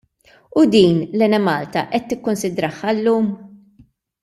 U din, l-Enemalta qed tikkunsidraha llum?